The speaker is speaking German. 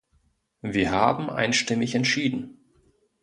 Wir haben einstimmig entschieden.